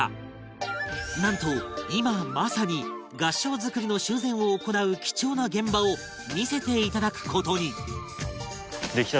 なんと今まさに合掌造りの修繕を行う貴重な現場を見せていただく事に